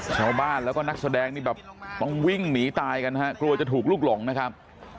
ชาวบ้านแล้วก็นักแสดงนี่แบบต้องวิ่งหนีตายกันนะฮะกลัวจะถูกลูกหลงนะครับ